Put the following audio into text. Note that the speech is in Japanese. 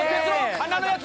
鼻のやつ。